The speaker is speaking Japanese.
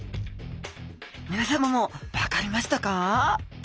皆さまも分かりましたか？